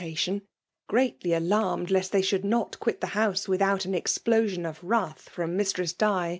tation ; greatly alarmed lest they should not quit the house without an explosion of wrath from Mistress Di.